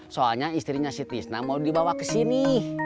soalnya istrinya si tisna mau dibawa ke sini